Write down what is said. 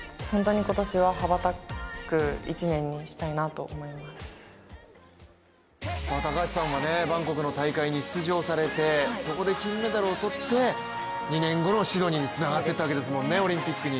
その思いは高橋さんはバンコクの大会に出場されてそこで金メダルをとって２年後のシドニーにつながっていったわけですもんね、オリンピックに。